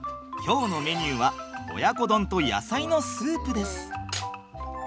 今日のメニューは親子丼と野菜のスープです。